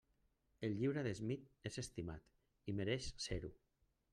El llibre de Smith és estimat i mereix ser-ho.